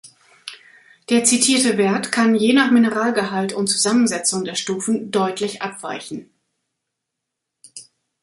Der zitierte Wert kann je nach Mineralgehalt und Zusammensetzung der Stufen deutlich abweichen.